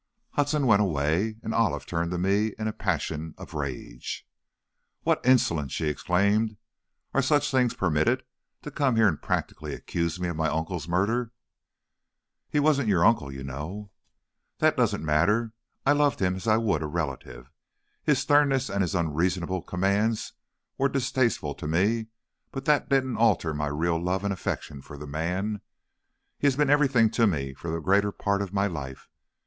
Hudson went away, and Olive turned to me in a passion of rage. "What insolence!" she exclaimed. "Are such things permitted? To come here and practically accuse me of my uncle's murder!" "He wasn't your uncle, you know." "That doesn't matter. I loved him as I would a relative. His sternness and his unreasonable commands were distasteful to me, but that didn't alter my real love and affection for the man. He has been everything to me for the greater part of my life.